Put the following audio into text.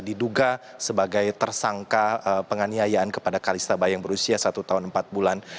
diduga sebagai tersangka penganiayaan kepada kalista bayang berusia satu tahun empat bulan